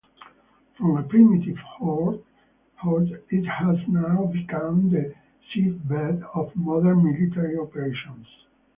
From a primitive horde, it has now become the seedbed of modern military operations.